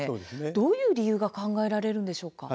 どういう理由が考えられるんでしょうか。